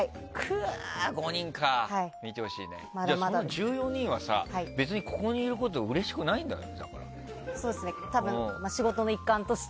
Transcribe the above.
１４人は別にここにいることうれしくないんだね。